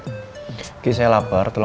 sayang zona ini dilupakan juga